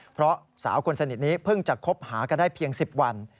เพราะสาวคนสนิทนี้เพิ่งจะคบหากันได้เพียง๑๐วัน